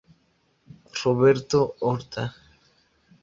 Roberto Horta.